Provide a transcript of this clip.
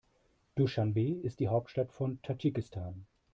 Duschanbe ist die Hauptstadt von Tadschikistan.